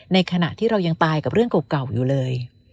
ขณะที่เรายังตายกับเรื่องเก่าอยู่เลย